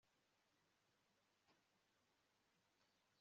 arazamuka abwira mose ko aroni yapfuye